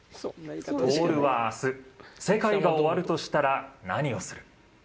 ・とおるは明日世界が終わるとしたら何をする？